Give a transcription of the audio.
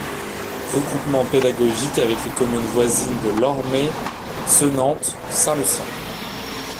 Regroupement pédagogique avec les communes voisines de Lormaye, Senantes, Saint-Lucien.